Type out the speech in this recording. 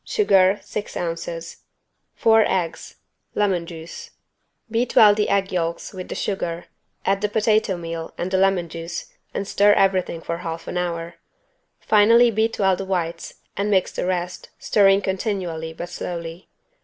Sugar, six ounces. Four eggs. Lemon juice. Beat well the egg yolks with the sugar, add the potato meal and the lemon juice and stir everything for half an hour. Finally beat well the whites, and mix the rest, stirring continually but slowly.